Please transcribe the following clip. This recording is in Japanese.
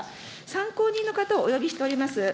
参考人の方をお呼びしております。